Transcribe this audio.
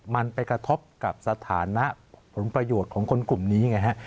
มันไปกระทบกับสถานะผลประโยชน์ของคนกลุ่มนี้ไงฮะ